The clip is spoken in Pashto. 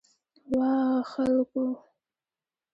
وا خلکو!